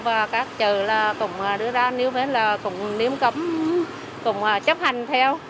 và các chợ cũng đưa ra nếu mến là cũng niêm cấm cũng chấp hành theo